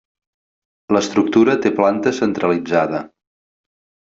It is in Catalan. L'estructura té planta centralitzada.